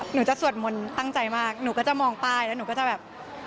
หนูจะสวดมนต์ตั้งใจมากหนูก็จะมองป้ายแล้วหนูก็จะแบบ